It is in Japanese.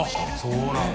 △そうなんだ。